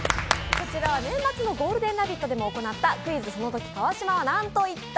こちらは年末の「ゴールデンラヴィット！」でも行った、「クイズ！そのとき川島はなんと言った！？」